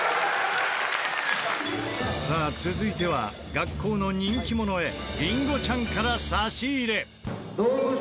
「」さあ続いては学校の人気者へりんごちゃんから差し入れ。